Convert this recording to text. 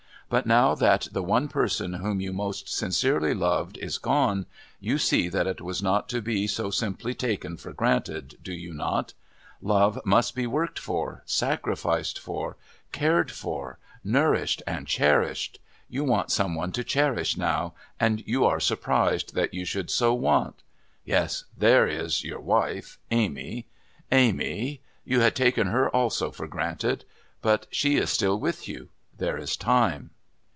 But now that the one person whom you most sincerely loved is gone, you see that it was not to be so simply taken for granted, do you not? Love must be worked for, sacrificed for, cared for, nourished and cherished. You want some one to cherish now, and you are surprised that you should so want...yes, there is your wife Amy...Amy.... You had taken her also for granted. But she is still with you. There is time."